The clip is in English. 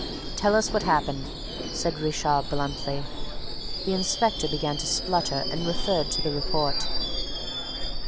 "Tell us what happened," said Richard bluntly. The inspector began to splutter and referred to the report.